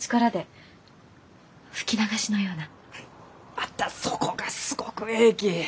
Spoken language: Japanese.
またそこがすごくえいき！